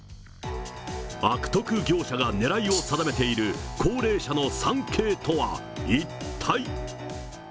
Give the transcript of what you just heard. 悪徳業者が狙いを定めている高齢者の３Ｋとは一体。